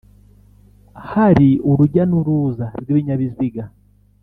hari urujya n’uruza rw’ibinyabiziga